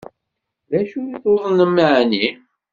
D acu i tuḍnem ɛni?